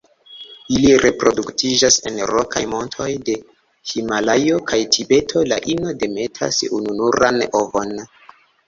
Ili reproduktiĝas en rokaj montoj de Himalajo kaj Tibeto; la ino demetas ununuran ovon.